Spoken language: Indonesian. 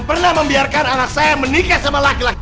pernah membiarkan anak saya menikah sama laki laki